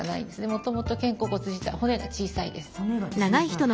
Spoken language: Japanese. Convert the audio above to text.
もともと肩甲骨自体骨が小さいです。